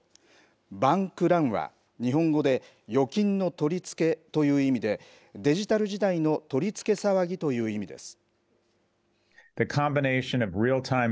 バンク・ランは、日本語で預金の取り付けという意味で、デジタル時代の取り付け騒ぎという意味です。